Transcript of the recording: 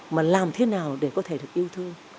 mà làm thế nào để có thể được yêu thương